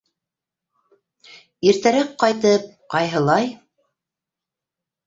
Иртәрәк ҡайтып, ҡайһылай...